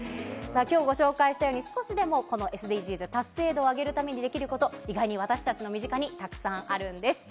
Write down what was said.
きょうご紹介したように、少しでもこのＳＤＧｓ達成度を上げるためにできること、意外に私たちの身近にたくさんあるんです。